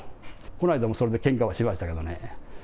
この間もそれでけんかをしましたけれどもね。